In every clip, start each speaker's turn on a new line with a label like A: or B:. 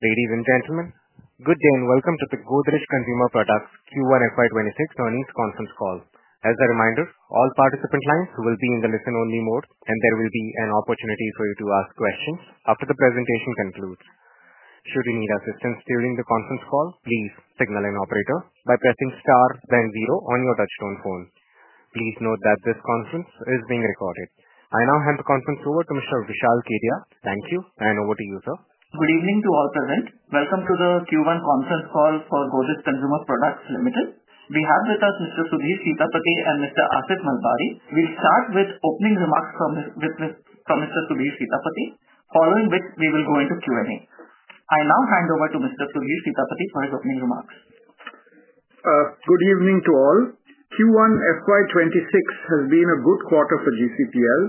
A: Ladies and gentlemen, good day and welcome to the Godrej Consumer Products Limited Q1/FY 2026 Earnings Conference call. As a reminder, all participant lines will be in the listen-only mode, and there will be an opportunity for you to ask questions after the presentation concludes. Should you need assistance during the conference call, please signal an operator by pressing star then zero on your touchtone phone. Please note that this conference is being recorded. I now hand the conference over to Mr. Vishal Kedia. Thank you, and over to you, sir.
B: Good evening to all present. Welcome to the Q1 conference call for Godrej Consumer Products Limited. We have with us Mr. Sudhir Sitapati and Mr. Aasif Malbari. We'll start with opening remarks from Mr. Sudhir Sitapati, following which we will go into Q&A. I now hand over to Mr. Sudhir Sitapati for his opening remarks.
C: Good evening to all. Q1 FY 2026 has been a good quarter for GCPL.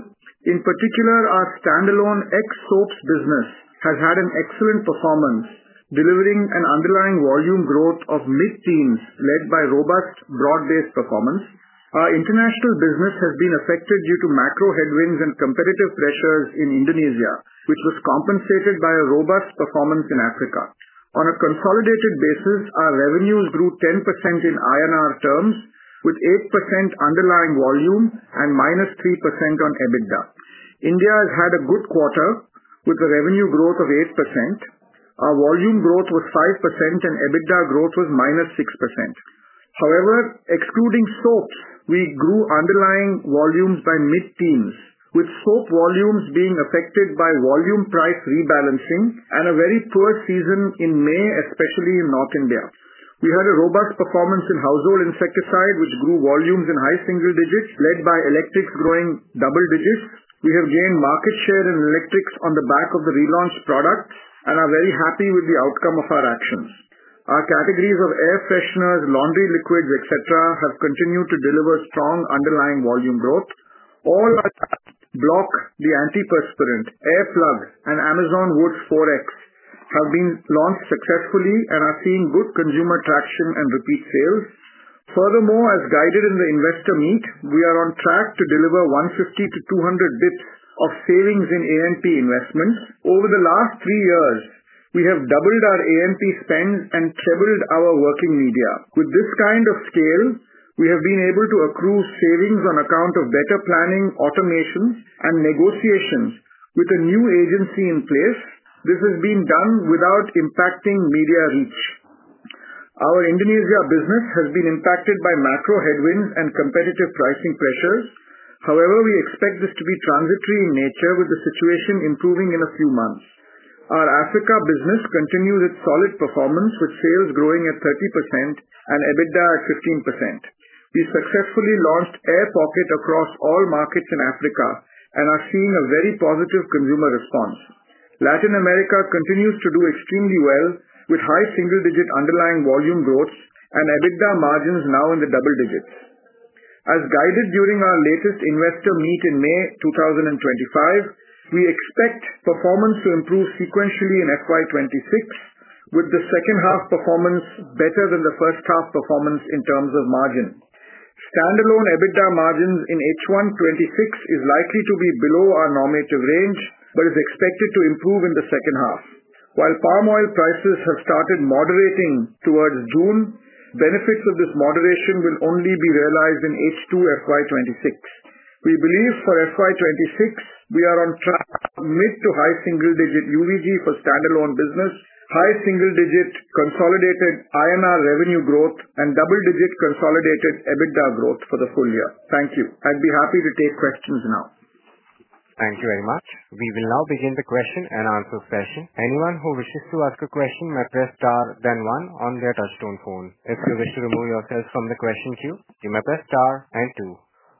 C: In particular, our standalone business has had an excellent performance, delivering an underlying volume growth of mid-teens led by robust broad-based performance. Our international business has been affected due to macro headwinds and competitive pressures in Indonesia, which was compensated by a robust performance in Africa. On a consolidated basis, our revenues grew 10% in INR terms, with 8% underlying volume and -3% on EBITDA. India has had a good quarter with a revenue growth of 8%. Our volume growth was 5% and EBITDA growth was -6%. However, excluding soaps, we grew underlying volumes by mid-teens, with soap volumes being affected by volume price rebalancing and a very poor season in May, especially in North India. We had a robust performance in household insecticides, which grew volumes in high single digits led by Electrics growing double digits. We have gained market share in Electrics on the back of the relaunch product and are very happy with the outcome of our actions. Our categories of air fresheners, laundry liquids, etc., have continued to deliver strong underlying volume growth. All our products like Bloq, the antiperspirant, AirPlug, and Amazon Woods 4X have been launched successfully and are seeing good consumer traction and repeat sales. Furthermore, as guided in the investor meet, we are on track to deliver 150 bps-200 bps of savings in A&P investment. Over the last three years, we have doubled our A&P spend and tripled our working media. With this kind of scale, we have been able to accrue savings on account of better planning, automation, and negotiations with a new agency in place. This has been done without impacting media reach. Our Indonesia business has been impacted by macro headwinds and competitive pricing pressures. However, we expect this to be transitory in nature with the situation improving in a few months. Our Africa business continues its solid performance, with sales growing at 30% and EBITDA at 15%. We successfully launched Aer Pocket across all markets in Africa and are seeing a very positive consumer response. Latin America continues to do extremely well with high single-digit underlying volume growth and EBITDA margins now in the double digits. As guided during our latest investor meet in May 2025, we expect performance to improve sequentially in FY 2026, with the second half performance better than the first half performance in terms of margin. Standalone EBITDA margins in H1 2026 are likely to be below our normative range but are expected to improve in the second half. While palm oil prices have started moderating towards June, benefits of this moderation will only be realized in H2 FY 2026. We believe for FY 2026, we are on track for mid to high single-digit EVG for standalone business, high single-digit consolidated INR revenue growth, and double-digit consolidated EBITDA growth for the full year. Thank you. I'd be happy to take questions now.
A: Thank you very much. We will now begin the question and answer session. Anyone who wishes to ask a question may press star then one on their touchtone phone. If you wish to remove yourself from the question queue, you may press star and two.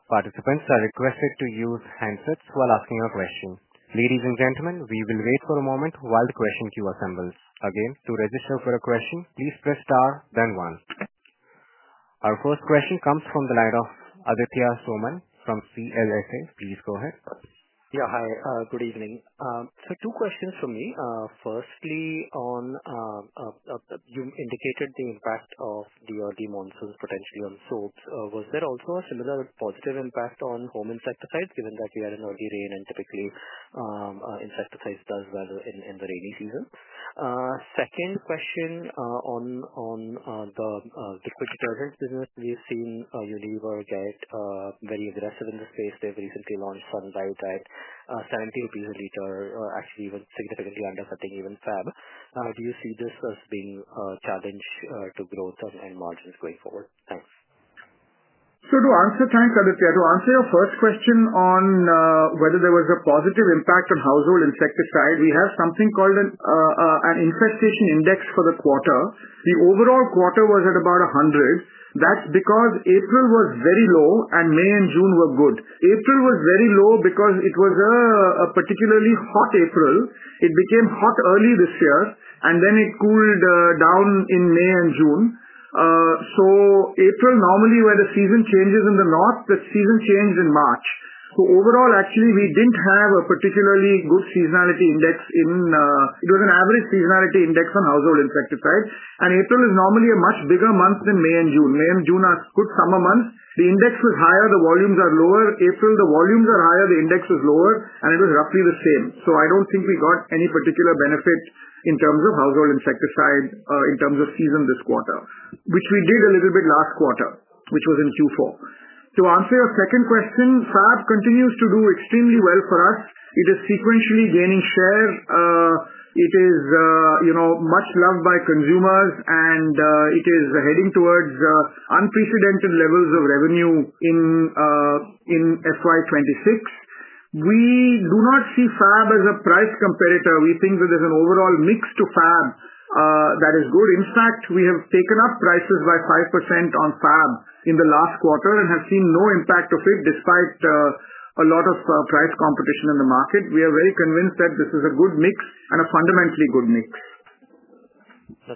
A: Participants are requested to use handsets while asking your question. Ladies and gentlemen, we will wait for a moment while the question queue assembles. Again, to register for a question, please press star then one. Our first question comes from the line of Aditya Soman from CLSA. Please go ahead.
D: Yeah, hi. Good evening. Two questions from me. Firstly, you indicated the impact of the early monsoons potentially on soaps. Was there also a similar positive impact on home insecticides given that we had an early rain and typically insecticides do well in the rainy season? Second question on the liquid detergents business. We've seen when we work out many of the rest of the space, they've recently launched Sunlight, 70 rupees a liter, actually even significantly under-setting even Fab. Do you see this as being a challenge to growth and margins going forward? Thanks.
C: Thanks, Aditya. To answer your first question on whether there was a positive impact on household insecticides, we have something called an insect-seeking index for the quarter. The overall quarter was at about 100. That's because April was very low and May and June were good. April was very low because it was a particularly hot April. It became hot early this year, and then it cooled down in May and June. April normally, where the season changes in the north, the season changes in March. Overall, we didn't have a particularly good seasonality index. It was an average seasonality index on household insecticides. April is normally a much bigger month than May and June. May and June are good summer months. The index is higher, the volumes are lower. April, the volumes are higher, the index is lower, and it was roughly the same. I don't think we got any particular benefit in terms of household insecticides in terms of season this quarter, which we did a little bit last quarter, which was in Q4. To answer your second question, fab continues to do extremely well for us. It is sequentially gaining share. It is much loved by consumers, and it is heading towards unprecedented levels of revenue in FY 2026. We do not see fab as a price competitor. We think that there's an overall mix to fab that is good. In fact, we have taken up prices by 5% on fab in the last quarter and have seen no impact of it despite a lot of price competition in the market. We are very convinced that this is a good mix and a fundamentally good mix.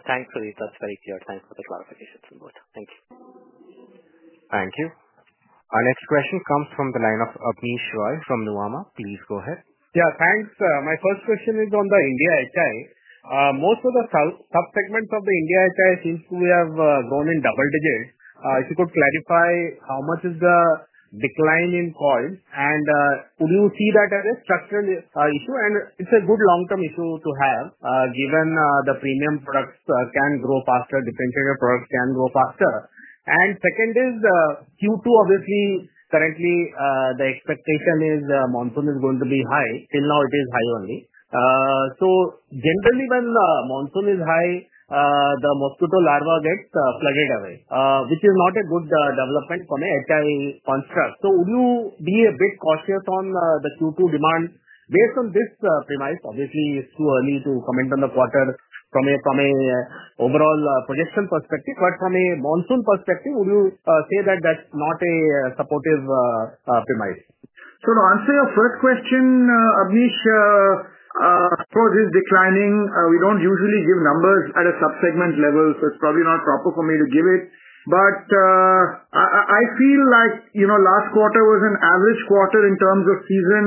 D: Thanks, Sudhir. That's very clear. Thanks for the clarification. Thank you.
A: Our next question comes from the line of Abneesh Roy from Nuvama. Please go ahead.
E: Yeah, thanks. My first question is on the India HI. Most of the subsegments of the India HI seem to have gone in double digits. If you could clarify how much is the decline in coils? Would you see that as a structural issue? It's a good long-term issue to have given the premium products can grow faster, differentiated products can grow faster. Second is the Q2, obviously, currently the expectation is the monsoon is going to be high. Still, now it is high only. Generally, when the monsoon is high, the mosquito larva gets plugged away, which is not a good development for the HI construct. Would you be a bit cautious on the Q2 demand based on this premise? Obviously, it's too early to comment on the quarter from an overall projection perspective. From a monsoon perspective, would you say that that's not a supportive premise?
C: To answer your first question, Abneesh, of course, it's declining. We don't usually give numbers at a subsegment level, so it's probably not proper for me to give it. I feel like last quarter was an average quarter in terms of season,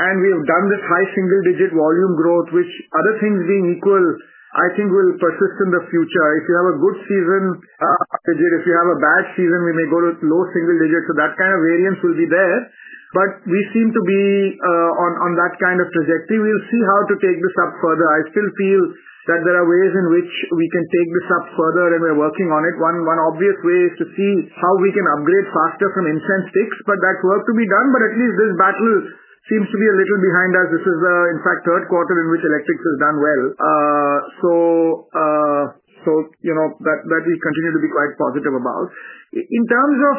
C: and we've done this high single-digit volume growth, which, other things being equal, I think will persist in the future. If you have a good season, if you have a bad season, we may go to low single digits. That kind of variance will be there. We seem to be on that kind of trajectory. We'll see how to take this up further. I still feel that there are ways in which we can take this up further, and we're working on it. One obvious way is to see how we can upgrade faster from incense sticks, but that's work to be done. At least this battle seems to be a little behind us. This is, in fact, the third quarter in which Electrics has done well. We continue to be quite positive about that. In terms of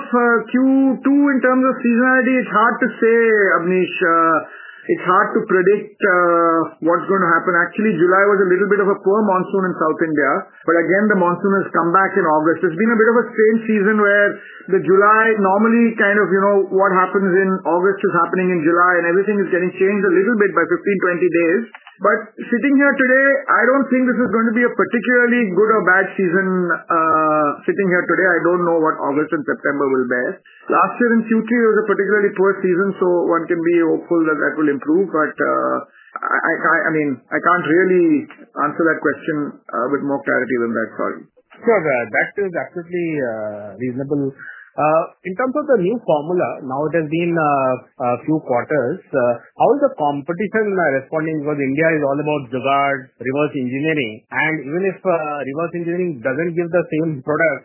C: Q2, in terms of seasonality, it's hard to say, Abneesh. It's hard to predict what's going to happen. Actually, July was a little bit of a poor monsoon in South India, but again, the monsoon has come back in August. It's been a bit of a strange season where what happens in August is happening in July, and everything is getting changed a little bit by 15, 20 days. Sitting here today, I don't think this is going to be a particularly good or bad season. Sitting here today, I don't know what August and September will bear. Last year in Q3, it was a particularly poor season. One can be hopeful that that will improve. I can't really answer that question with more clarity than that for you.
E: Sure, sir. That is absolutely reasonable. In terms of the new formula, now it has been a few quarters. How is the competition responding? Because India is all about reverse engineering. Even if reverse engineering doesn't give the same product,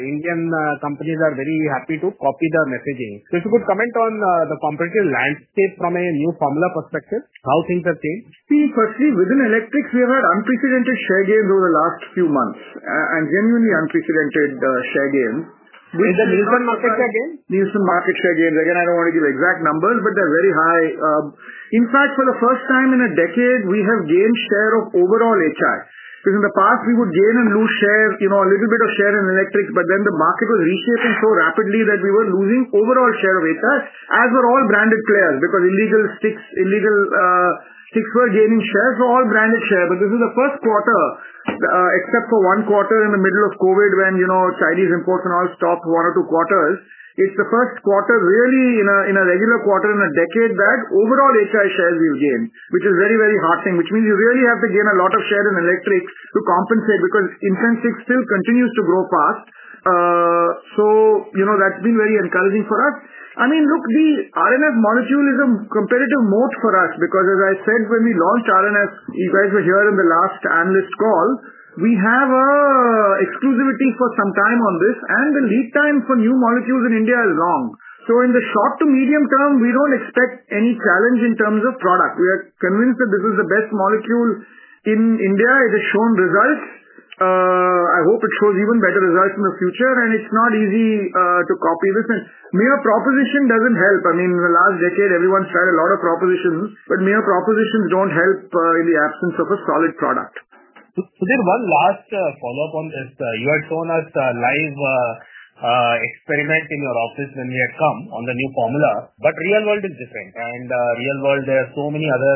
E: Indian companies are very happy to copy the messaging. If you could comment on the competitive landscape from a new formula perspective, how things have changed?
C: See, firstly, within Electrics, we have had unprecedented share gains over the last few months, and genuinely unprecedented share gains.
E: Is the Nielsen market share gained?
C: Nielsen market share gained. Again, I don't want to give exact numbers, but they're very high. In fact, for the first time in a decade, we have gained share of overall HI because in the past, we would gain and lose share, you know, a little bit of share in electrics. The market was reshaping so rapidly that we were losing overall share with us as were all branded players because illegal sticks were gaining share for all branded share. This is the first quarter, except for one quarter in the middle of COVID when, you know, Chinese imports and all stopped one or two quarters. It's the first quarter really in a regular quarter in a decade that overall HI shares we've gained, which is a very, very hard thing, which means you really have to gain a lot of share in Electrics to compensate because incense sticks still continue to grow fast. That's been very encouraging for us. I mean, look, the RNF molecule is a competitive moat for us because, as I said, when we launched RNF, you guys were here in the last analyst call, we have an exclusivity for some time on this, and the lead time for new molecules in India is long. In the short to medium term, we don't expect any challenge in terms of product. We are convinced that this is the best molecule in India. It has shown results. I hope it shows even better results in the future. It's not easy to copy this. Mere proposition doesn't help. I mean, in the last decade, everyone's had a lot of propositions, but mere propositions don't help in the absence of a solid product.
E: There's one last follow-up on this. You had shown us the live experiment in your office when we had come on the new formula. In real world, there are so many other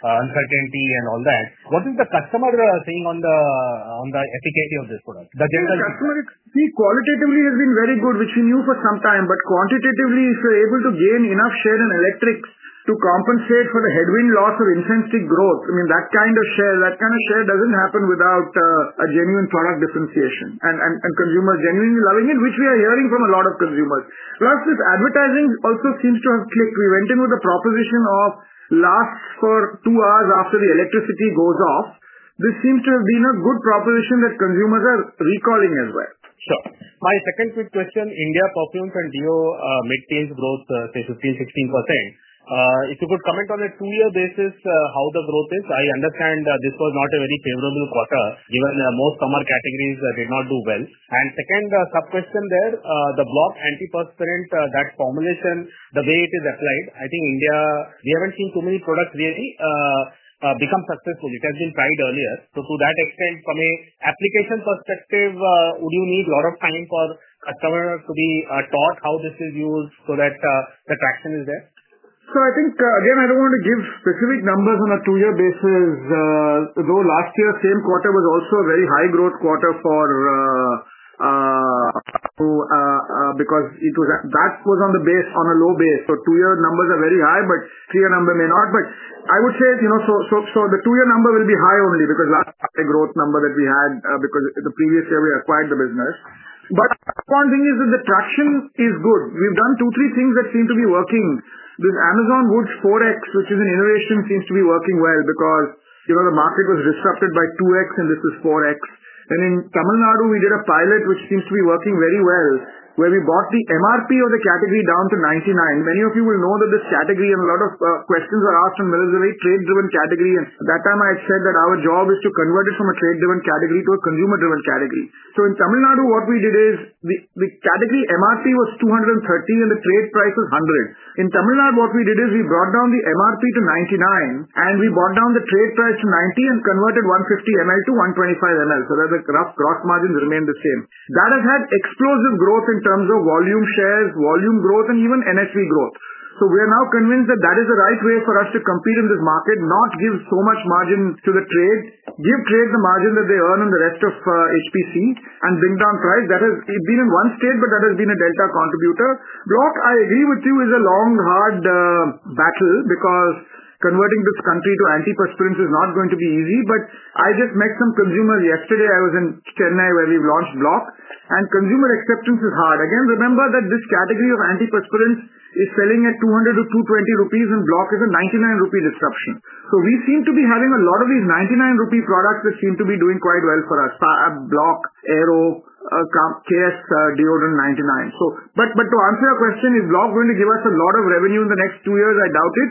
E: uncertainties and all that. What is the customer saying on the efficacy of this product?
C: The customer, see, qualitatively has been very good, which we knew for some time. Quantitatively, if you're able to gain enough share in Electrics to compensate for the headwind loss of incense stick growth, that kind of share doesn't happen without a genuine product differentiation and consumers genuinely loving it, which we are hearing from a lot of consumers. Plus, this advertising also seems to have clicked. We went in with a proposition of lasts for two hours after the electricity goes off. This seems to have been a good proposition that consumers are recalling as well.
E: My second quick question, India Perfumes and Dio maintains growth, say, 15%, 16%. If you could comment on a two-year basis how the growth is, I understand this was not a very favorable quarter given that most summer categories did not do well. Second sub-question there, the Bloq antiperspirant, that formulation, the way it is applied, I think India, we haven't seen too many products really become successful. It has been tried earlier. To that extent, from an application perspective, would you need a lot of time for customers to be taught how this is used so that the traction is there?
C: I don't want to give specific numbers on a two-year basis, though last year, the same quarter was also a very high growth quarter because that was on a low base. Two-year numbers are very high, but three-year numbers may not be. I would say the two-year number will be high only because last year's growth number that we had was because the previous year we acquired the business. One thing is that the traction is good. We've done two, three things that seem to be working. This Amazon Woods 4X, which is an innovation, seems to be working well because the market was disrupted by 2X and this is 4X. In Tamil Nadu, we did a pilot, which seems to be working very well, where we brought the MRP of the category down to 99. Many of you will know that this category, and a lot of questions are asked on it, is a very trade-driven category. At that time, I said that our job is to convert it from a trade-driven category to a consumer-driven category. In Tamil Nadu, what we did is the category MRP was 230 and the trade price was 100. In Tamil Nadu, we brought down the MRP to 99 and we brought down the trade price to 90 and converted 150 ml to 125 ml so that the rough gross margins remain the same. That has had explosive growth in terms of volume shares, volume growth, and even NSV growth. We are now convinced that is the right way for us to compete in this market, not give so much margin to the trade, give trades the margin that they earn on the rest of HPC, and bring down price. That has been in one state, but that has been a delta contributor. Bloq, I agree with you, is a long, hard battle because converting this country to antiperspirants is not going to be easy. I just met some consumers yesterday. I was in Chennai where we've launched Bloq, and consumer acceptance is hard. Remember that this category of antiperspirants is selling at 200-220 rupees, and Bloq is a 99 rupee disruption. We seem to be having a lot of these 99 rupee products that seem to be doing quite well for us: Bloq, Aero, KS Deodorant 99. To answer your question, is Bloq going to give us a lot of revenue in the next two years? I doubt it.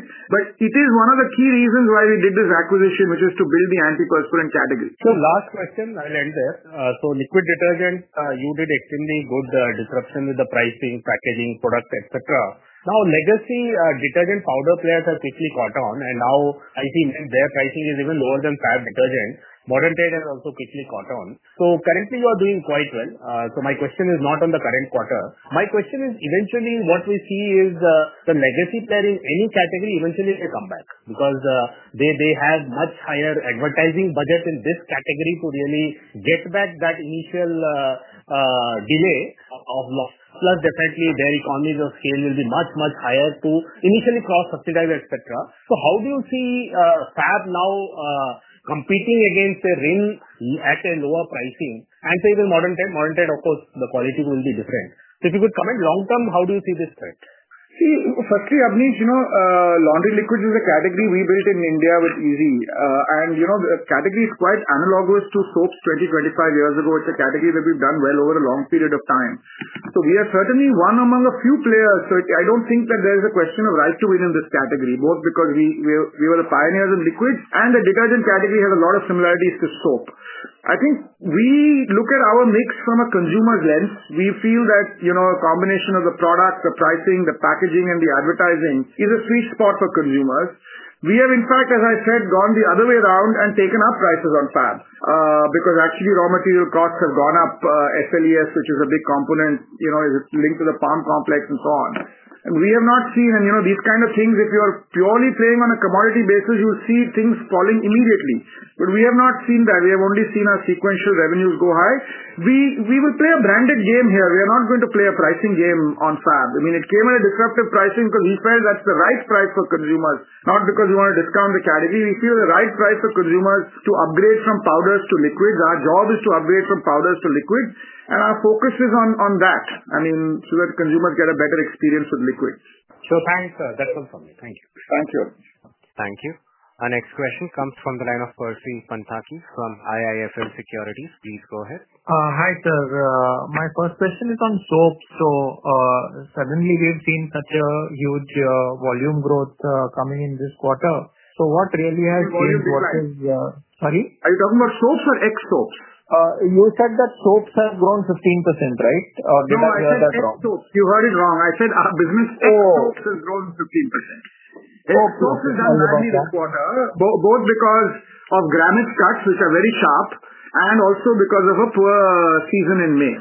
C: It is one of the key reasons why we did this acquisition, which is to build the antiperspirant category.
E: Last question, I'll end there. Liquid detergent, you did extremely good disruption with the pricing, packaging, product, etc. Now, legacy detergent powder players have quickly caught on, and now I think their pricing is even lower than Fab detergent. Modern players have also quickly caught on. Currently, you are doing quite well. My question is not on the current quarter. My question is, eventually, what we see is the legacy player in any category eventually will come back because they have much higher advertising budget in this category to really get back that initial delay of loss. Plus, definitely, their economies of scale will be much, much higher to initially cross-subsidize, etc. How do you see Fab now competing against a Rin at a lower pricing? The Modern Trend, of course, the quality will be different. If you could comment long term, how do you see this trend?
C: See, firstly, Abneesh, you know, laundry liquids is a category we built in India with Ezee. The category is quite analogous to soaps 20, 25 years ago with the category that we've done well over a long period of time. We are certainly one among a few players. I don't think that there is a question of rise to win in this category, both because we were the pioneers in liquids and the detergent category has a lot of similarities to soap. I think we look at our mix from a consumer's lens. We feel that a combination of the products, the pricing, the packaging, and the advertising is a sweet spot for consumers. We have, in fact, as I said, gone the other way around and taken up prices on Fab because actually raw material costs have gone up. SLES, which is a big component, is linked to the palm complex and so on. We have not seen, and these kinds of things, if you are purely playing on a commodity basis, you'll see things falling immediately. We have not seen that. We have only seen our sequential revenues go high. We will play a branded game here. We are not going to play a pricing game on Fab. It came at a disruptive pricing because we felt that's the right price for consumers, not because you want to discount the category. We feel the right price for consumers to upgrade from powders to liquids. Our job is to upgrade from powders to liquids, and our focus is on that, so that consumers get a better experience with liquids.
E: Thanks, sir. That's all from me. Thanks.
C: Thank you.
A: Thank you. Our next question comes from the line of Percy Panthaki from IIFL Securities. Please go ahead.
F: Hi, sir. My first question is on soaps. Suddenly, we've seen such a huge volume growth coming in this quarter. What really has changed?
C: Are you talking about soaps or ex-soaps?
F: You said that soaps have grown 15%, right?
C: No, you heard it wrong. I said our business has grown 15%. Soaps is a huge quarter, both because of grammage cuts, which are very sharp, and also because of a poor season in May.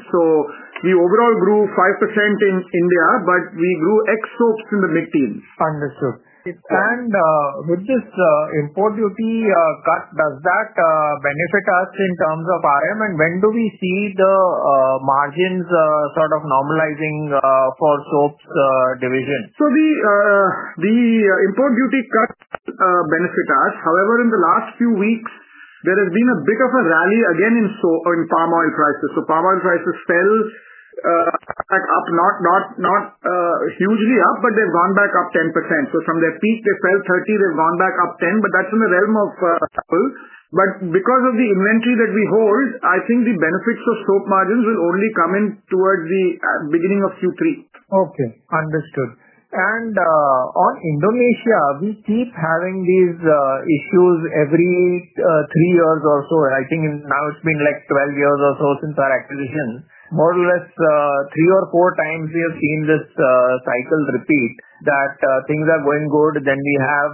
C: We overall grew 5% in India, but we grew ex-soaps in the mid-teens.
F: Understood. With this import duty cut, does that benefit us in terms of RM? When do we see the margins sort of normalizing for soaps division?
C: The import duty cut benefits us. However, in the last few weeks, there has been a bit of a rally again in palm oil prices. Palm oil prices still are up, not hugely up, but they've gone back up 10%. From their peak, they fell 30%. They've gone back up 10%. That's in the realm of a couple. Because of the inventory that we hold, I think the benefits for soap margins will only come in towards the beginning of Q3.
F: Okay. Understood. On Indonesia, we keep having these issues every three years or so. I think now it's been like 12 years or so since our acquisition. More or less three or four times we have seen this cycle repeat that things are going good, then we have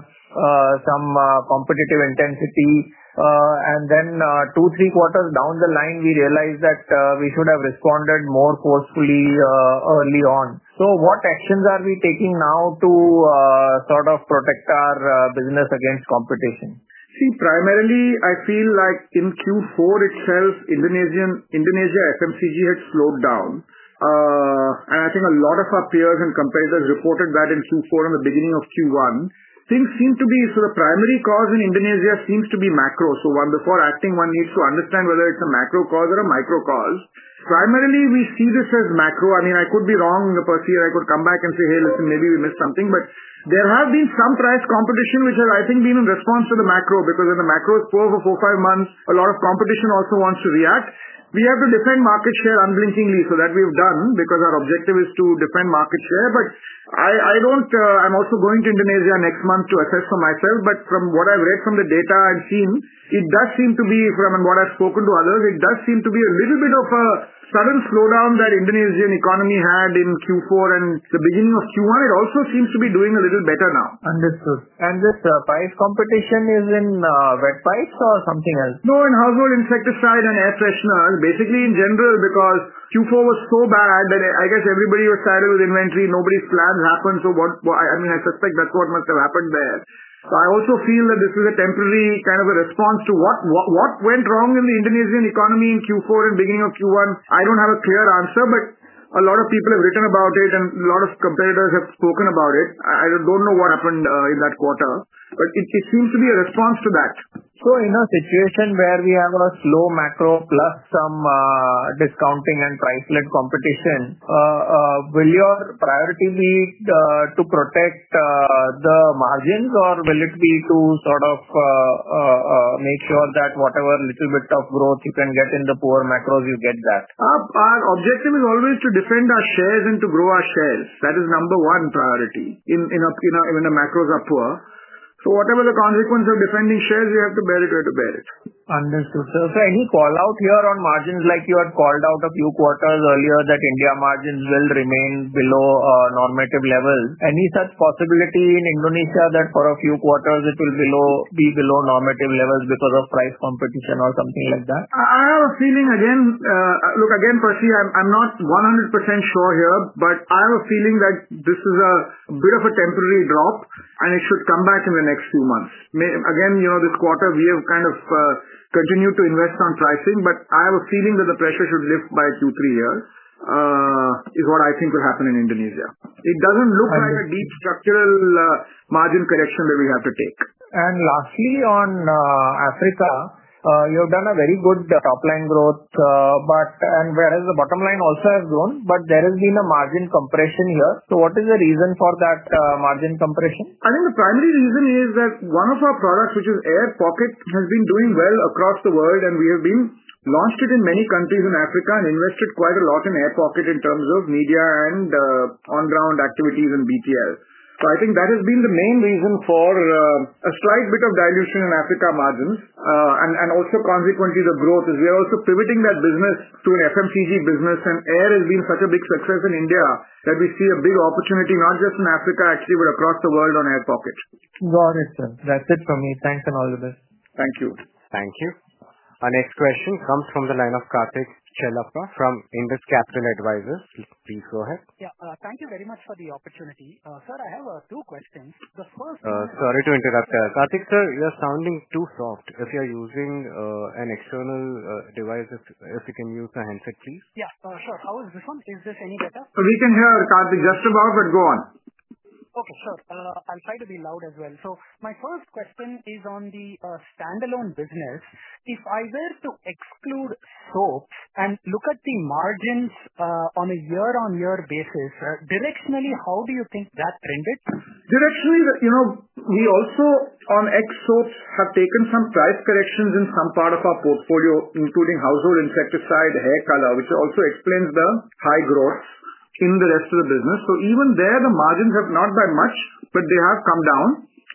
F: some competitive intensity. Two or three quarters down the line, we realized that we should have responded more forcefully early on. What actions are we taking now to sort of protect our business against competition?
C: Primarily, I feel like in Q4 itself, Indonesia FMCG had slowed down. I think a lot of our peers and competitors reported that in Q4 and the beginning of Q1. Things seem to be, so the primary cause in Indonesia seems to be macro. When the core is acting, one needs to understand whether it's a macro cause or a micro cause. Primarily, we see this as macro. I mean, I could be wrong in the first year. I could come back and say, hey, listen, maybe we missed something. There has been some price competition, which I think has been in response to the macro because the macro is poor for four or five months. A lot of competition also wants to react. We have to defend market share unblinkingly. That we've done because our objective is to defend market share. I don't, I'm also going to Indonesia next month to assess for myself. From what I've read from the data I've seen, it does seem to be, from what I've spoken to others, it does seem to be a little bit of a sudden slowdown that the Indonesian economy had in Q4 and the beginning of Q1. It also seems to be doing a little better now.
F: Understood. Is the price competition in wet wipes or something else?
C: No, in household insecticides and air fresheners, basically in general, because Q4 was so bad that I guess everybody was saddled with inventory. Nobody's plans happened. I suspect that's what must have happened there. I also feel that this was a temporary kind of a response to what went wrong in the Indonesian economy in Q4 and the beginning of Q1. I don't have a clear answer, but a lot of people have written about it and a lot of competitors have spoken about it. I don't know what happened in that quarter, but it seems to be a response to that.
F: In a situation where we have a slow macro plus some discounting and price-led competition, will your priority be to protect the margins or will it be to sort of make sure that whatever little bit of growth you can get in the poor macros, you get that?
C: Our objective is always to defend our shares and to grow our shares. That is number one priority in a macro that's poor. Whatever the consequence of defending shares, you have to bear it where to bear it.
F: Understood, sir. Any callout here on margins, like you had called out a few quarters earlier that India margins will remain below normative level? Any such possibility in Indonesia that for a few quarters it will be below normative levels because of price competition or something like that?
C: I have a feeling, Percy, I'm not 100% sure here, but I have a feeling that this is a bit of a temporary drop and it should come back in the next two months. This quarter we have kind of continued to invest on pricing, but I have a feeling that the pressure should lift by two, three years is what I think will happen in Indonesia. It doesn't look like a deep structural margin correction that we have to take.
F: Lastly, on Africa, you have done a very good top line growth, whereas the bottom line also has grown, but there has been a margin compression here. What is the reason for that margin compression?
C: I think the primary reason is that one of our products, which is Aer Pocket, has been doing well across the world. We have launched it in many countries in Africa and invested quite a lot in Aer Pocket in terms of media, on-ground activities, and BTL. I think that has been the main reason for a slight bit of dilution in Africa margins. Also, consequently, the growth is we are also pivoting that business to an FMCG business, and air has been such a big success in India that we see a big opportunity not just in Africa, actually, but across the world on Aer Pocket.
F: Got it, sir. That's it for me. Thanks and all the best.
C: Thank you.
A: Thank you. Our next question comes from the line of Karthik Chellappa from Indus Capital Advisors. Please go ahead.
G: Thank you very much for the opportunity. Sir, I have two questions. The first.
A: Sorry to interrupt, Karthik. Sir, you are sounding too soft. If you are using an external device, if you can use the handset, please.
G: Yeah, sure. How is this one? Is this any better?
C: We can hear Karthik just about, but go on.
G: Okay, sure. I'll try to be loud as well. My first question is on the standalone business. If I were to exclude soaps and look at the margins on a year-on-year basis, directionally, how do you think that trended?
C: Directionally, you know, we also on ex-soaps have taken some price corrections in some part of our portfolio, including household insecticides, hair color, which also explains the high growth in the rest of the business. Even there, the margins have not done much, but they have come down.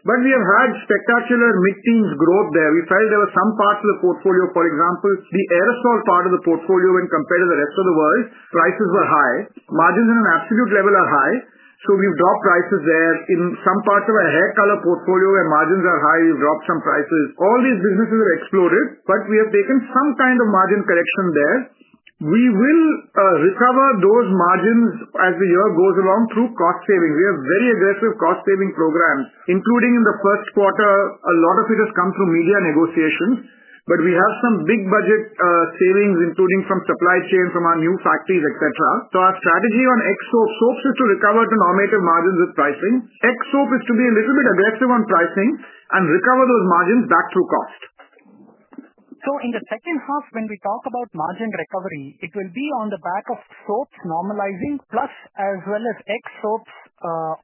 C: We have had spectacular mid-teen growth there. We felt there were some parts of the portfolio, for example, the aerosol part of the portfolio, when compared to the rest of the world, prices were high. Margins at an absolute level are high. We have dropped prices there. In some parts of our hair color portfolio, where margins are high, we've dropped some prices. All these businesses have exploded, but we have taken some kind of margin correction there. We will recover those margins as the year goes along through cost savings. We have very aggressive cost-saving programs, including in the first quarter. A lot of it has come through media negotiations. We have some big budget savings, including some supply chain from our new factories, etc. Our strategy on ex-soaps soaps is to recover the normative margins with pricing. ex-soaps is to be a little bit aggressive on pricing and recover those margins back through cost.
G: In the second half, when we talk about margin recovery, it will be on the back of soaps normalizing, as well as ex-soaps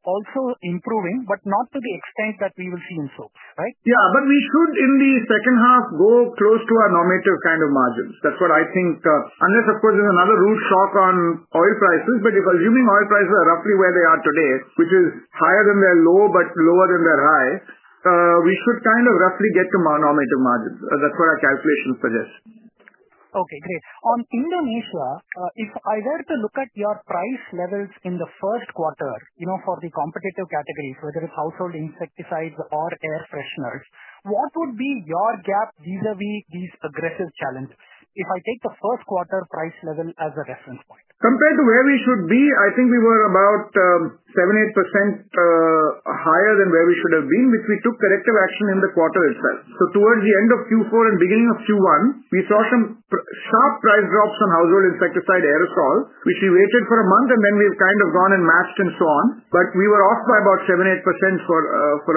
G: also improving, but not to the extent that we will see in soaps, right?
C: Yeah, we should, in the second half, go close to our normative kind of margins. That's what I think. Unless, of course, there's another rude shock on oil prices. If assuming oil prices are roughly where they are today, which is higher than their low, but lower than their highest, we should kind of roughly get to normative margins. That's what our calculation suggests.
G: Okay, great. On Indonesia, if I were to look at your price levels in the first quarter, for the competitive categories, whether it's household insecticides or air fresheners, what would be your gap vis-à-vis these aggressive challenges? If I take the first quarter price level as a reference point.
C: Compared to where we should be, I think we were about 7%–8% higher than where we should have been, which we took corrective action in the quarter itself. Towards the end of Q4 and beginning of Q1, we saw some sharp price drops on household insecticide aerosol, which we waited for a month, and then we've kind of gone and matched and so on. We were off by about 7%–8% for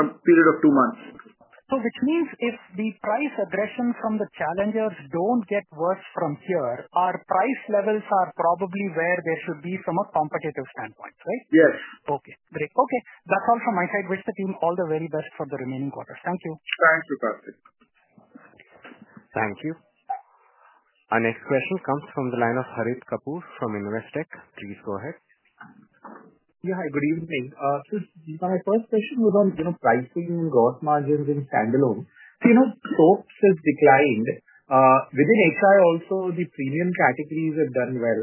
C: a period of two months.
G: If the price aggression from the challenger doesn't get worse from here, our price levels are probably where there should be some competitive standpoints, right?
C: Yes.
G: Okay, great. Okay. That's all from my side. Wish the team all the very best for the remaining quarters. Thank you.
C: Thank you, Percy.
A: Thank you. Our next question comes from the line of Harit Kapoor from Investec. Please go ahead.
H: Yeah, hi. Good evening. My first question was on pricing and gross margins in standalone. So, you know, soaps have declined. Within HI, also, the premium categories have done well.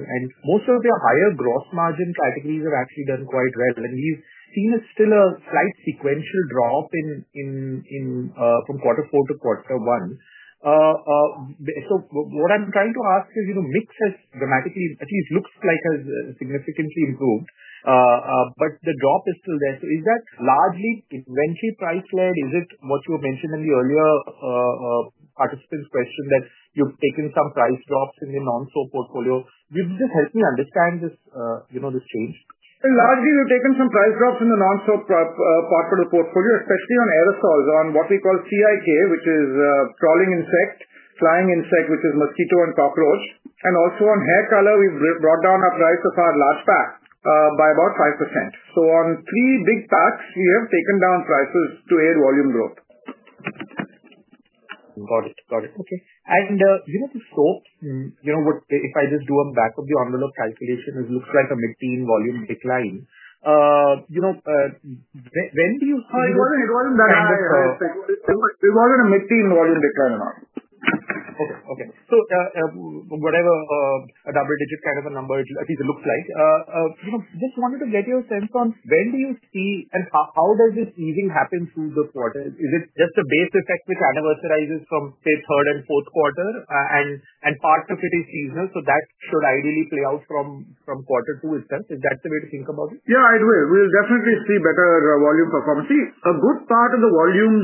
H: Most of the higher gross margin categories have actually done quite well. We've seen still a slight sequential drop from quarter four to quarter one. What I'm trying to ask is, MIPS has dramatically, at least looks like it has significantly improved, but the drop is still there. Is that largely eventually price-led? Is it what you were mentioning in the earlier participant's question that you've taken some price drops in the non-soap portfolio? Could you just help me understand this change?
C: Largely, we've taken some price drops in the non-soap part of the portfolio, especially on aerosols, on what we call CIK, which is crawling insect, flying insect, which is mosquito and cockroach. Also, on hair color, we've brought down our price of our last pack by about 5%. On three big packs, we have taken down prices to air volume growth.
H: Got it. Got it. Okay. You know, the soap, you know, if I just do a back of the envelope calculation, it looks like a mid-teen volume decline. You know, when do you see?
C: It wasn't a mid-teen volume decline or not.
H: Okay. Whatever a double-digit kind of a number, at least it looks like. I just wanted to get your sense on when do you see and how does this even happen through the quarter? Is it just a base effect which anniversaries from, say, third and fourth quarter? Part of it is seasonal. That should ideally play out from quarter two itself. Is that the way to think about it?
C: Yeah, I do. We'll definitely see better volume performance. See, a good start in the volume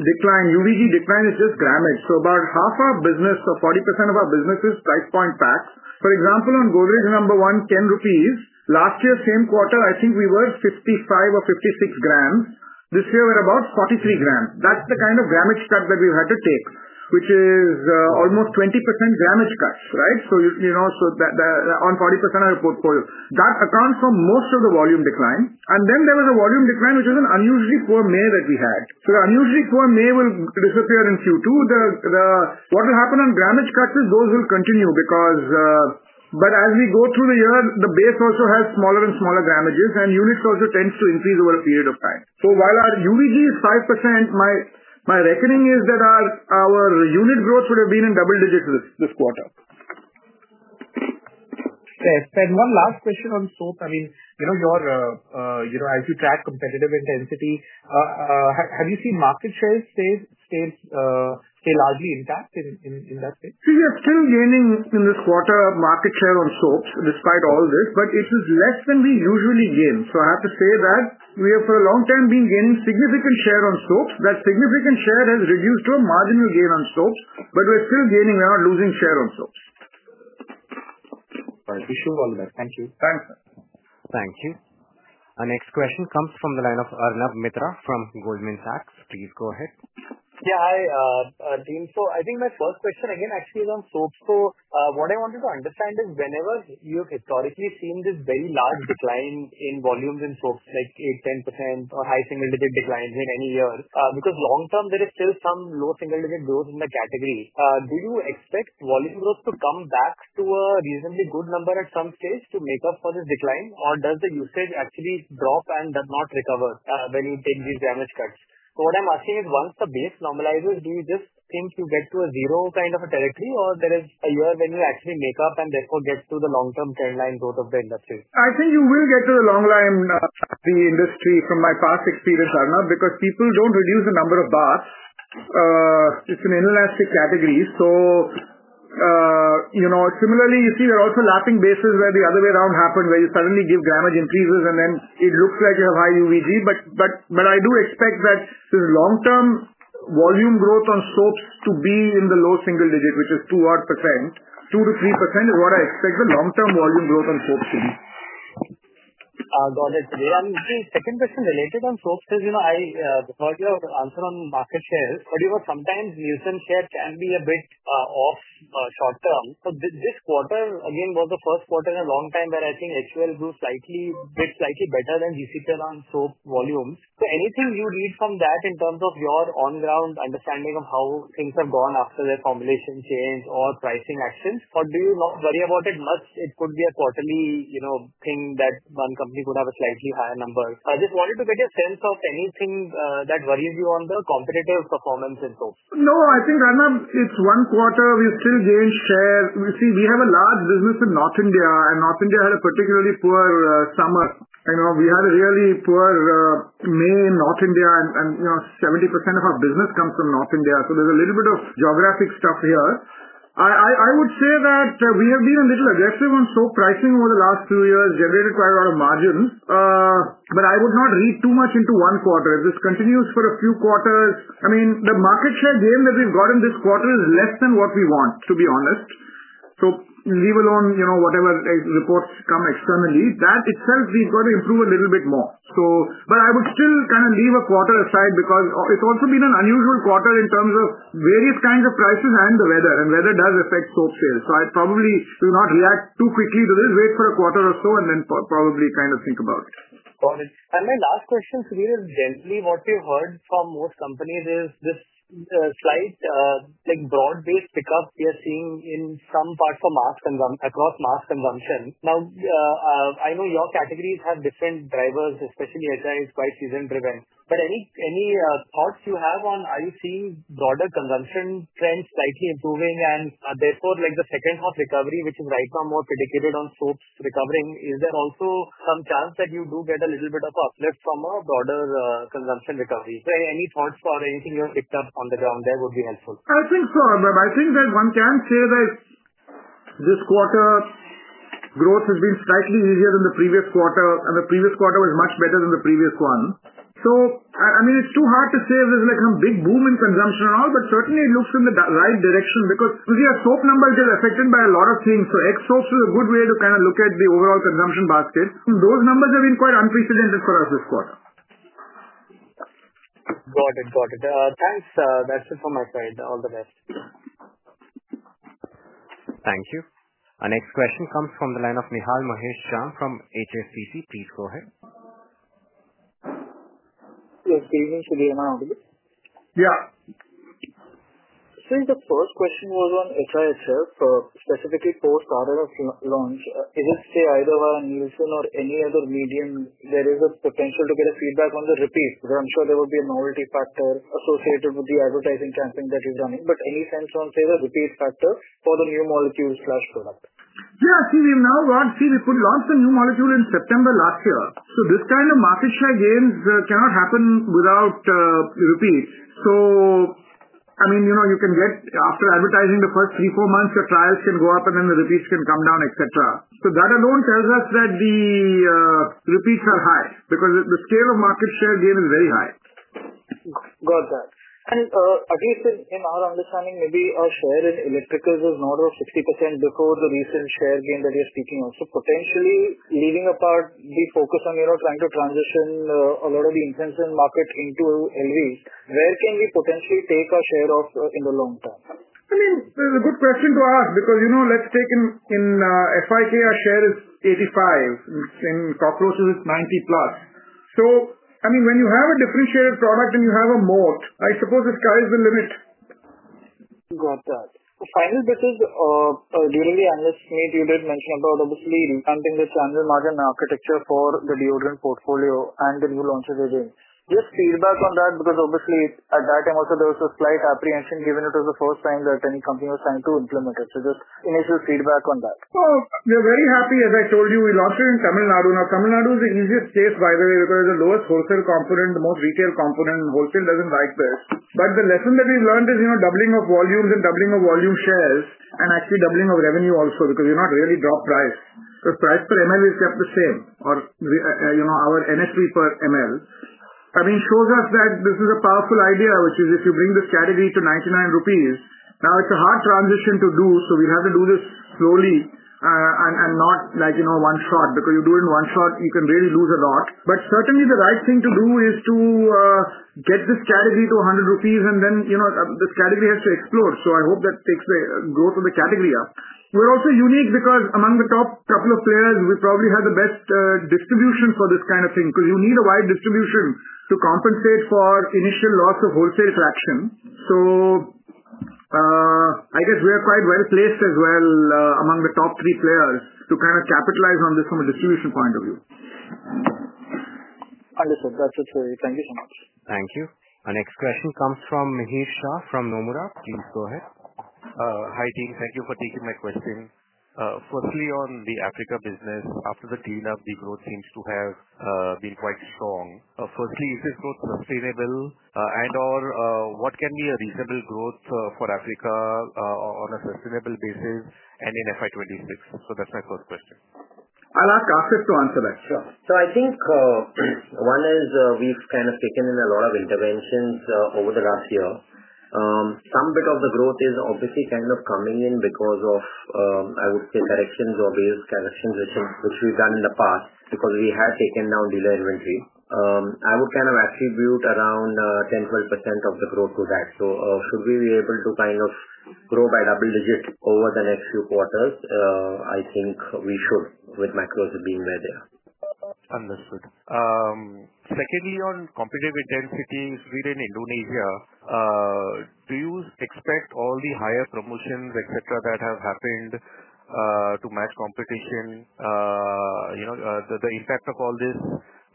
C: decline, UVG decline is just grammage. About half our business, so 40% of our business, is price point packs. For example, on Godrej number one, 10 rupees. Last year, same quarter, I think we were 55 g or 56 g. This year, we're about 43 g. That's the kind of grammage cut that we've had to take, which is almost 20% grammage cuts, right? That on 40% of your portfolio accounts for most of the volume decline. There was a volume decline, which was an unusually poor May that we had. The unusually poor May will disappear in Q2. What will happen on grammage cuts is those will continue because, as we go through the year, the base also has smaller and smaller grammages, and units also tend to increase over a period of time. While our UVG is 5%, my reckoning is that our unit growth would have been in double digits this quarter.
H: One last question on soaps. As you track competitive intensity, have you seen market shares stay largely intact in that space?
C: We are still gaining in this quarter market share on soaps despite all this, but it is less than we usually gain. I have to say that we have for a long time been gaining significant share on soaps. That significant share has reduced to a marginal gain on soaps, but we're still gaining. We're not losing share on soaps.
H: All right. All the best. Thank you.
C: Thanks, sir.
A: Thank you. Our next question comes from the line of Arnab Mitra from Goldman Sachs. Please go ahead.
I: Yeah, hi, team. I think my first question again actually is on soaps. What I wanted to understand is whenever you have historically seen this very large decline in volumes in soaps, like 8%, 10% or high single-digit declines in any year, because long term, there is still some low single-digit growth in the category. Do you expect volume growth to come back to a reasonably good number at some stage to make up for this decline, or does the usage actually drop and does not recover when you take these grammage cuts? What I'm asking is, once the base normalizes, do you just think you get to a zero kind of a territory, or there is a year when you actually make up and therefore get through the long-term trend line growth of the industry?
C: I think you will get to the long line in the industry from my past experience, Arunabh, because people don't reduce the number of bars. It's an inelastic category. You know, similarly, you see there are also lapping bases where the other way around happened, where you suddenly give grammage increases and then it looks like you have high UVG. I do expect that long-term volume growth on soaps to be in the low single digit, which is 2% odd %, 2%-3% is what I expect the long-term volume growth on soaps to be.
I: Got it, Sudhir. The second question related on soaps is, you know, I thought you had answered on market shares, but sometimes nuisance shares can be a bit off short term. This quarter, again, was the first quarter in a long time that I think HUL grew slightly, slightly better than GCPL soap volumes. Anything you leave from that in terms of your on-ground understanding of how things have gone after the formulation change or pricing actions, or do you worry about it much? It could be a quarterly thing that one company could have a slightly higher number. I just wanted to get your sense of anything that worries you on the competitive performance in soap.
C: No, I think, Arnabh, it's one quarter. We've still gained share. We have a large business in North India, and North India had a particularly poor summer. We had a really poor May in North India, and 70% of our business comes from North India. There's a little bit of geographic stuff here. I would say that we have been a little aggressive on soap pricing over the last few years, generated quite a lot of margins. I would not read too much into one quarter. If this continues for a few quarters, the market share gain that we've got in this quarter is less than what we want, to be honest. Leave alone whatever reports come externally. That itself, we've got to improve a little bit more. I would still kind of leave a quarter aside because it's also been an unusual quarter in terms of various kinds of prices and the weather. Weather does affect soap sales. I probably will not react too quickly. We'll wait for a quarter or so and then probably kind of think about it.
I: Got it. My last question, Sudhir, is generally what we've heard from most companies is this slight broad-based pickup we are seeing in some parts for mass consumption. I know your categories have different drivers, especially as I explained, season-driven. Any thoughts you have on, are you seeing broader consumption trends slightly improving? Therefore, like the second half recovery, which is right now more predicated on soaps recovering, is there also some chance that you do get a little bit of uplift from a broader consumption recovery? Any thoughts about anything you've picked up on the ground there would be helpful.
C: I think so Arnab, I think there's one chance here that this quarter growth has been slightly easier than the previous quarter, and the previous quarter was much better than the previous one. I mean, it's too hard to say if there's like a big boom in consumption at all, but certainly, it looks in the right direction because soap numbers are affected by a lot of things. ex-soap is a good way to kind of look at the overall consumption basket, and those numbers have been quite unprecedented for us this quarter.
I: Got it. Got it. Thanks. That's it from my side. All the best.
A: Thank you. Our next question comes from the line of Nihal Mahesh Jham from HSBC. Please go ahead.
C: Yeah, can you move to the MR a little bit?
J: Yeah. Since the first question was on HI itself, specifically post RNF launch, even say either via Nielsen or any other medium, there is a potential to get a feedback on the repeats. I'm sure there will be a novelty factor associated with the advertising campaign that you've run. Any sense on, say, the repeat factor for the new molecule/product?
C: Yeah, see, we've now got, see, we could launch the new molecule in September last year. This kind of market share gains cannot happen without repeats. I mean, you know, you can get after advertising the first three, four months, the trials can go up and then the repeats can come down, etc. That alone tells us that the repeats are high because the scale of market share gain is very high.
J: Got that. At least in our understanding, maybe a share in electricals is not over 60% before the recent share gain that you're speaking of. Potentially, leaving apart the focus on trying to transition a lot of the incense and markets into LV, where can we potentially take our share off in the long term?
C: That's a good question to ask because, you know, let's take in FIK, our share is 85%. In cockroaches, it's 90%+. When you have a differentiated product and you have a moat, I suppose the sky is the limit.
J: Got that. Final question is, during the analyst meet, you did mention about obviously implementing the channel margin architecture for the deodorant portfolio and the new launches again. Just feedback on that because obviously at that time also there was a slight apprehension given it was the first time that any company was trying to implement it. Just initial feedback on that.
C: We're very happy. As I told you, we launched it in Tamil Nadu. Now, Tamil Nadu is the easiest case, by the way, because it's the lowest wholesale component, the most retail component, and wholesale doesn't vibrate. The lesson that we've learned is, you know, doubling of volumes and doubling of volume shares and actually doubling of revenue also because we've not really dropped price. Price per ml is kept the same or, you know, our NSV per ml. I mean, it shows us that this is a powerful idea, which is if you bring the strategy to 99 rupees. Now, it's a hard transition to do. We'll have to do this slowly and not like, you know, one shot because if you do it in one shot, you can really lose a lot. Certainly, the right thing to do is to get this category to 100 rupees and then, you know, this category has to explode. I hope that takes the growth of the category up. We're also unique because among the top couple of players, we probably have the best distribution for this kind of thing because you need a wide distribution to compensate for initial loss of wholesale fraction. I guess we are quite well placed as well among the top three players to kind of capitalize on this from a distribution point of view.
J: Wonderful. That's it for me. Thank you.
A: Thank you. Our next question comes from Mihir Shah from Nomura. Please go ahead.
K: Hi, team. Thank you for taking my question. Firstly, on the Africa business, after the team left, the growth seems to have been quite strong. Is this growth sustainable and/or what can be a reasonable growth for Africa on a sustainable basis and in FY 2026? That's my first question.
C: I'll ask Aasif to answer that.
L: Sure. I think one is we've kind of taken in a lot of interventions over the last year. Some bit of the growth is obviously kind of coming in because of, I would say, directions or base selections, which we've done in the past because we have taken down dealer inventory. I would kind of attribute around 10%-12% of the growth to that. Should we be able to kind of grow by double digits over the next few quarters? I think we should, with macros being there.
K: Understood. Secondly, on competitive intensity in Sweden and Indonesia, do you expect all the higher promotions, etc., that have happened to match competition? Is the impact of all this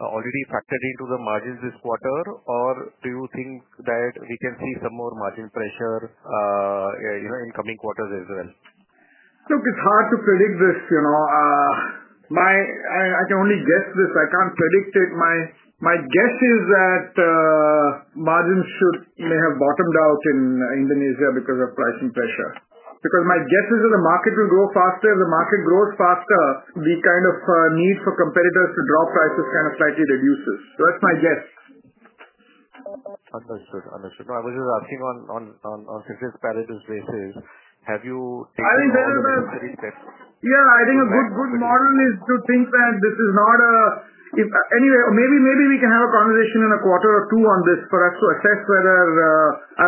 K: already factored into the margins this quarter, or do you think that we can see some more margin pressure in coming quarters as well?
C: Look, it's hard to predict this. I can only guess this. I can't predict it. My guess is that margins may have bottomed out in Indonesia because of pricing pressure. My guess is that the market will grow faster. If the market grows faster, the kind of need for competitors to drop prices slightly reduces. That's my guess.
K: Understood. I was just asking on such a palliative basis. Have you taken any specific tests?
C: Yeah, I think a good model is to think that this is not a if anyway. Maybe we can have a conversation in a quarter or two on this for us to assess whether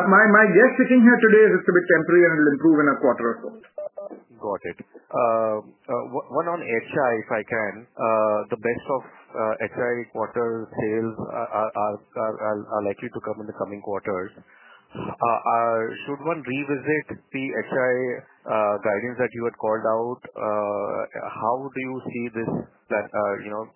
C: my guess sticking here today is it's a bit temporary and it'll improve in a quarter or so.
K: Got it. One on HI, if I can. The best of HI quarter sales are likely to come in the coming quarters. Could one revisit the HI guidance that you had called out? How do you see this plan, you know,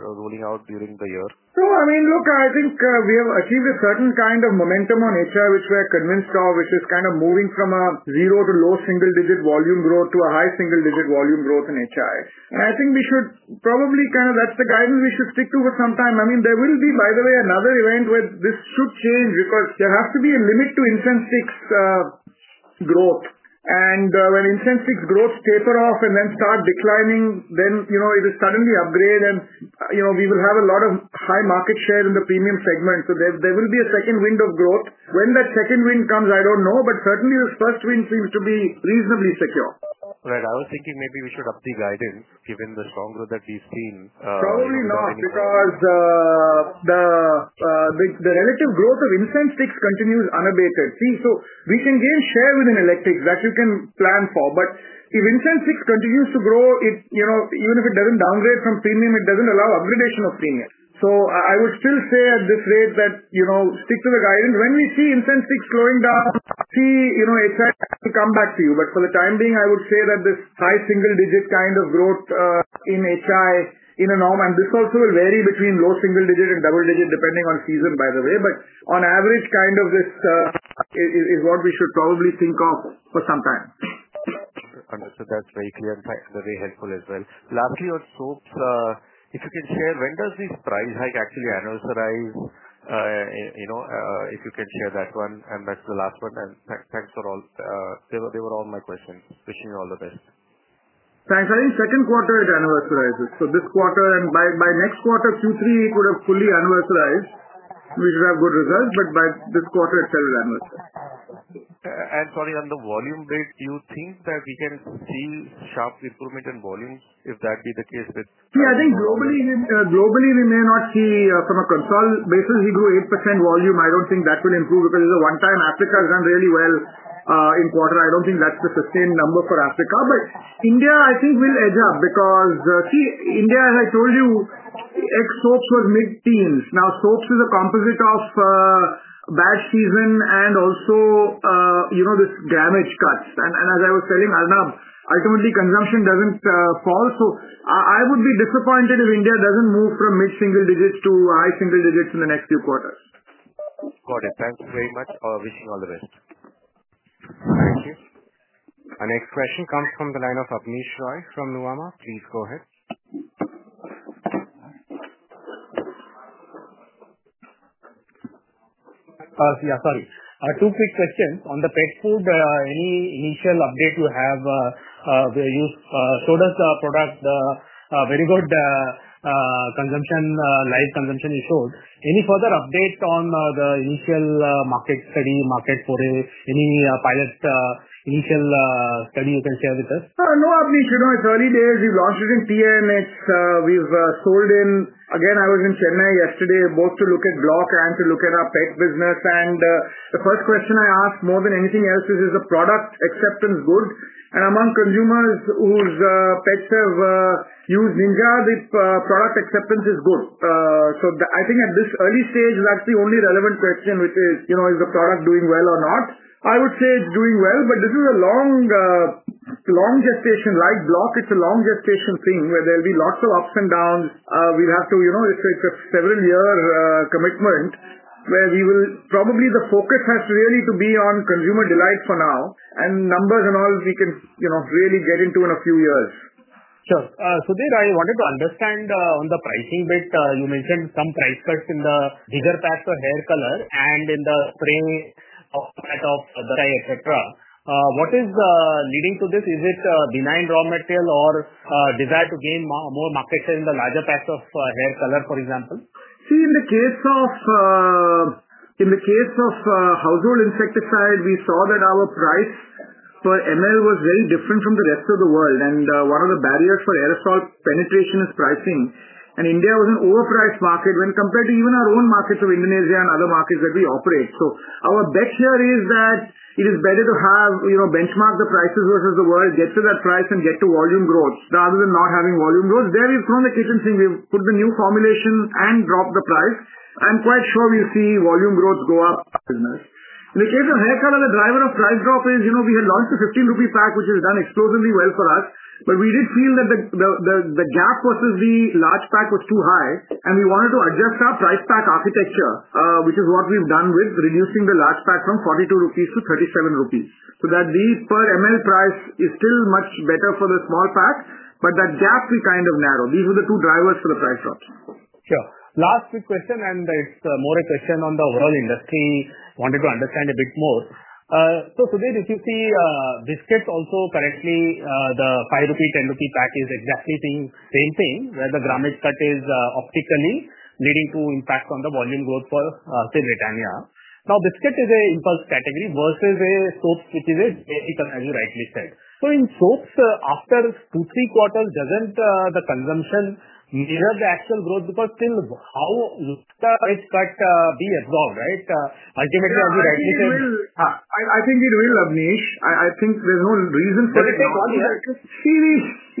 K: rolling out during the year?
C: Sure. I mean, look, I think we have achieved a certain kind of momentum on HI, which we're convinced of, which is kind of moving from a zero to low single-digit volume growth to a high single-digit volume growth in HI. I think we should probably, that's the guidance we should stick to for some time. There will be, by the way, another event where this should change because there has to be a limit to incense sticks growth. When incense sticks growth tapers off and then starts declining, it is suddenly upgrade. We will have a lot of high market share in the premium segment. There will be a second wind of growth. When that second wind comes, I don't know. Certainly, the first wind seems to be reasonably secure.
K: Right. I was thinking maybe we should update guidance given the strong growth that we've seen.
C: Probably not because the relative growth of incense sticks continues unabated. See, we can gain share within Electrics that we can plan for. If incense sticks continue to grow, even if it doesn't downgrade from premium, it doesn't allow upgradation of premium. I would still say at this rate that, you know, stick to the guidance. When we see incense sticks slowing down, HI can come back to you. For the time being, I would say that this high single-digit kind of growth in HI is a norm. This also will vary between low single-digit and double-digit depending on season, by the way. On average, this is what we should probably think of for some time.
K: Understood. That's very clear and very helpful as well. Lastly, on soaps, if you can share, when does this price hike actually annualized If you could share that one. That's the last one. Thanks for all. They were all my questions. Wishing you all the best.
C: Thanks. I think second quarter it annualized. This quarter and by next quarter, Q3, it would have fully annualized. We should have good results. By this quarter itself, it annualized.
K: Calling on the volume bit, do you think that we can see sharp improvement in volume if that were the case?
C: See, I think globally, we may not see from a consolidated basis. We do 8% volume. I don't think that will improve because it's a one-time. Africa has done really well in the quarter. I don't think that's the sustained number for Africa. India, I think, will edge up because, see, India, as I told you, its soaps was mid-teens. Now soaps is a composite of bad season and also, you know, these grammage cuts. As I was saying, Arunabh, ultimately, consumption doesn't fall. I would be disappointed if India doesn't move from mid-single digits to high single digits in the next few quarters.
K: Got it. Thanks very much. Wishing you all the best.
A: Thank you. Our next question comes from the line of Abneesh Roy from Nuvama. Please go ahead.
E: Yeah, sorry. Two quick questions on the pet food. Any initial update you have where you sold us the product? The very good consumption, live consumption is sold. Any further updates on the initial market study, market portal, any pilot initial study you can share with us?
C: No, Abneesh, you know, it's early days. We've launched it in TN and we've sold in. I was in Chennai yesterday both to look at Bloq and to look at our pet business. The first question I asked more than anything else is, is the product acceptance good? Among consumers whose pets have used Ninja, the product acceptance is good. I think at this early stage, that's the only relevant question, which is, you know, is the product doing well or not? I would say it's doing well, but this is a long, long gestation, right? Bloq, it's a long gestation thing where there'll be lots of ups and downs. We'll have to, you know, it's a several-year commitment where we will probably the focus has really to be on consumer delight for now. Numbers and all we can, you know, really get into in a few years.
E: Sure. I wanted to understand on the pricing bit. You mentioned some price cuts in the bigger packs of hair color and in the pre-coat of surgery, etc. What is leading to this? Is it benign raw material or desire to gain more market share in the larger packs of hair color, for example?
C: See, in the case of household insecticides, we saw that our price per ml was very different from the rest of the world. One of the barriers for aerosol penetration is pricing. India was an overpriced market when compared to even our own markets of Indonesia and other markets that we operate. Our bet here is that it is better to benchmark the prices versus the world, get to that price, and get to volume growth rather than not having volume growth. There we've thrown the kitchen sink. We've put the new formulation and dropped the price. I'm quite sure we'll see volume growth go up. In the case of hair color, the driver of price drop is, you know, we had launched the 15 rupee pack, which has done explosively well for us. We did feel that the gap versus the large pack was too high. We wanted to adjust our price pack architecture, which is what we've done with reducing the large pack from 42-37 rupees so that the per ml price is still much better for the small pack, but that gap we kind of narrowed. These were the two drivers for the price drop.
E: Sure. Last quick question, and it's more a question on the overall industry. Wanted to understand a bit more. So, Sudhir, if you see biscuits also correctly, the 5 rupee, 10 rupee pack is exactly the same thing where the grammage cut is optically leading to impact on the volume growth for Sri Lanka. Now, biscuits is an impulse category versus a soap, which is it, as you rightly said. In soaps, after two, three quarters, doesn't the consumption mirror the actual growth because still, how will the price cut be absorbed, right? Ultimately, as you rightly said.
C: I think it will, Abneesh. I think there's no reason for it.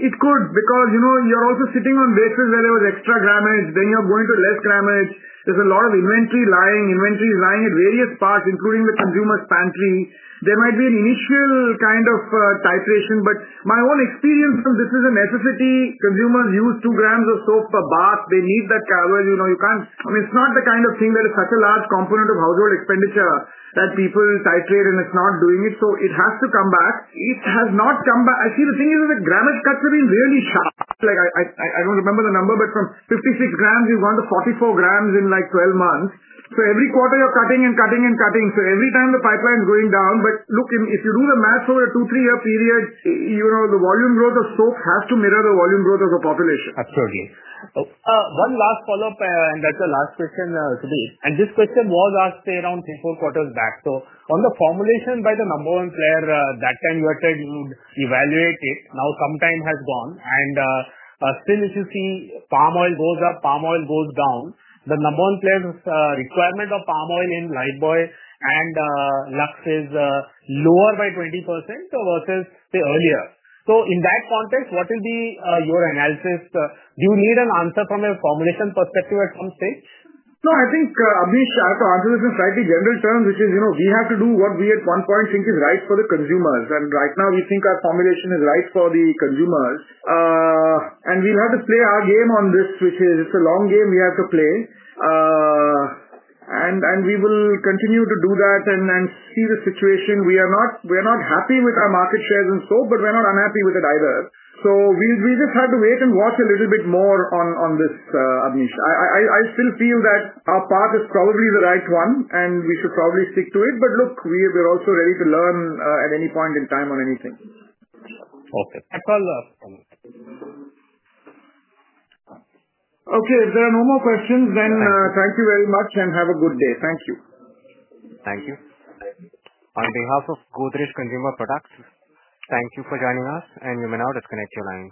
C: It could because, you know, you're also sitting on vessels where there was extra grammage, then you're going to less grammage. There's a lot of inventory lying. Inventory is lying at various parts, including the consumer's pantry. There might be an initial kind of titration, but my own experience on this is a necessity. Consumers use 2 g of soap per bath. They need that coverage. You know, you can't, I mean, it's not the kind of thing that is such a large component of household expenditure that people titrate and it's not doing it. It has to come back. It has not come back. I see the thing is that the grammage cuts have been really sharp. Like I don't remember the number, but from 56 g, we've gone to 44 g in like 12 months. Every quarter you're cutting and cutting and cutting. Every time the pipeline is going down. If you do the math for a two, three-year period, you know, the volume growth of soap has to mirror the volume growth of the population.
E: Absolutely. One last follow-up, and that's the last question to me. This question was asked around three or four quarters back. On the formulation by the number one player, at that time you were told you would evaluate. Now, some time has gone. If you see, palm oil goes up, palm oil goes down. The number one player's requirement of palm oil in LifeBuoy and Lux is lower by 20% versus earlier. In that context, what is your analysis? Do you need an answer from a formulation perspective at some stage?
C: No, I think Abneesh, I have to answer this in slightly general terms, which is, you know, we have to do what we at one point think is right for the consumers. Right now, we think our formulation is right for the consumers. We'll have to play our game on this, which is it's a long game we have to play. We will continue to do that and see the situation. We are not happy with our market shares in soaps, but we're not unhappy with it either. We just have to wait and watch a little bit more on this, Abneesh. I still feel that our path is probably the right one, and we should probably stick to it. Look, we're also ready to learn at any point in time on anything.
E: Okay.
C: Okay. If there are no more questions, then thank you very much and have a good day. Thank you.
A: Thank you. On behalf of Godrej Consumer Products, thank you for joining us, and you may now disconnect your line.